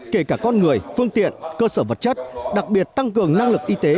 kể cả con người phương tiện cơ sở vật chất đặc biệt tăng cường năng lực y tế